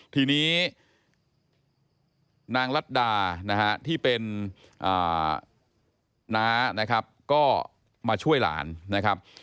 ทีนี้นางรัฐดานะฮะที่เป็นน้านะครับก็มาช่วยหลานนะครับ